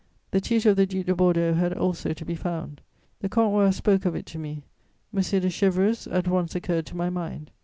The tutor of the Duc de Bordeaux had also to be found; the Comte Roy spoke of it to me: M. de Chéverus at once occurred to my mind.